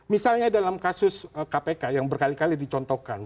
misalnya dalam kasus kpk yang berkali kali dicontohkan